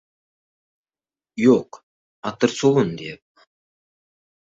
— Yo‘q, atirsovun, deyapman.